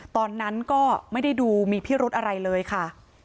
ตอนนั้นก็ไม่ได้ดูมีพิรุธอะไรเลยค่ะ